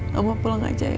kamu pulang aja ya